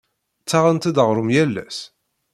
Ttaɣent-d aɣrum yal ass?